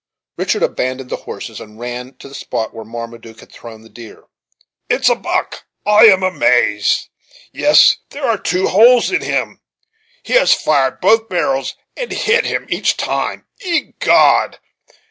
Richard abandoned the horses, and ran to the spot where Marmaduke had thrown the deer, "It is a buck! I am amazed! Yes, here are two holes in him, he has fired both barrels, and hit him each time, Egod!